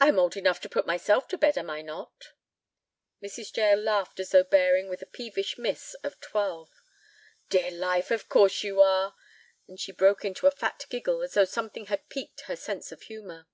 "I am old enough to put myself to bed, am I not?" Mrs. Jael laughed as though bearing with a peevish miss of twelve. "Dear life, of course you are." And she broke into a fat giggle as though something had piqued her sense of humor.